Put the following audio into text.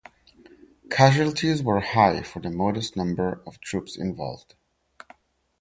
Casualties were high for the modest number of troops involved.